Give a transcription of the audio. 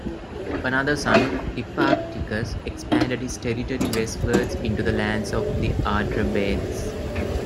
Another son, Epaticcus, expanded his territory westwards into the lands of the Atrebates.